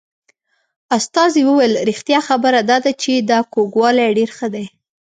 استازي وویل رښتیا خبره دا ده چې دا کوږوالی ډېر ښه دی.